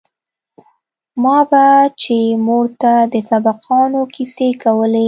ما به چې مور ته د سبقانو کيسې کولې.